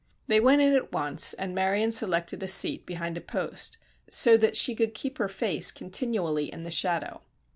They went in at once and Marion selected a seat behind a post, so that she could keep her face continually in the shadow.